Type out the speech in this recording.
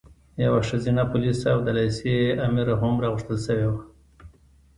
یوه ښځینه پولیسه او د لېسې امره هم راغوښتل شوې وه.